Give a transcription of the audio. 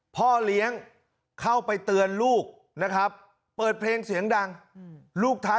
พ่อเลี้ยงเข้าไปเตือนลูกนะครับเปิดเพลงเสียงดังลูกท้าย